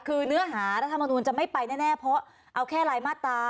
ทุกครู่อันนั้นจะไม่ไปแน่เพราะเอาแค่ลายมาตรา